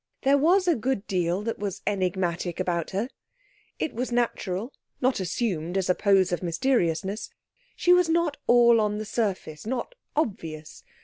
There was a good deal that was enigmatic about her. It was natural, not assumed as a pose of mysteriousness. She was not all on the surface: not obvious.